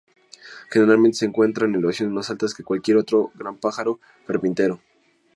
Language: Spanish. Generalmente se encuentra en elevaciones más altas que cualquier otro gran pájaro carpintero.